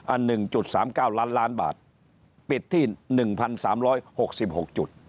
อันหนึ่งจุดสามเก้าล้านล้านบาทปิดที่หนึ่งพันสามร้อยหกสิบหกจุด